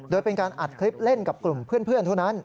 โดยเป็นการอัดคลิปเล่นกับกลุ่มเพื่อนเท่านั้น